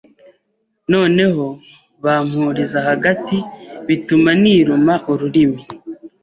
noneho bampuriza hagati bituma niruma ururimi